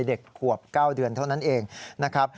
เด็กขวบ๙เดือนเท่านั้นเองนะครับ